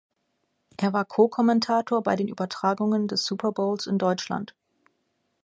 Er war Co-Kommentator bei den Übertragungen des Super Bowls in Deutschland.